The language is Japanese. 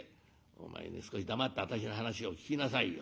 「お前ね少し黙って私の話を聞きなさいよ。